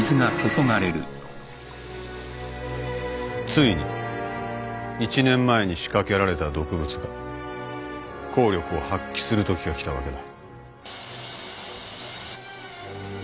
ついに１年前に仕掛けられた毒物が効力を発揮するときが来たわけだ。